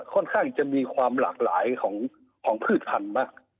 ค่อนข้างจะมีความหลากหลายของพืชพันธุ์มาก